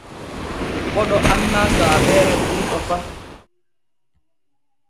Koɗo annaa saabeere bunɗo fa.